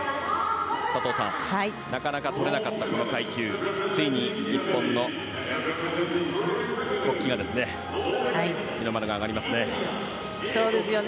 佐藤さん、なかなかとれなかったこの階級ついに日本の国旗が日の丸が揚がりますね。